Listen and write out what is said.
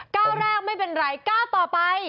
ก้าวแรกไม่เป็นไรก้าวต่อไป